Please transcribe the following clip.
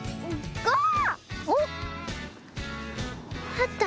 あった。